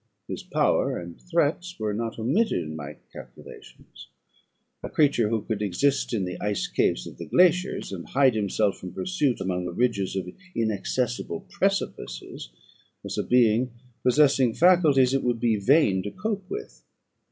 His power and threats were not omitted in my calculations: a creature who could exist in the ice caves of the glaciers, and hide himself from pursuit among the ridges of inaccessible precipices, was a being possessing faculties it would be vain to cope with.